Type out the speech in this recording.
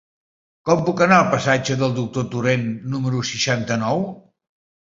Com puc anar al passatge del Doctor Torent número seixanta-nou?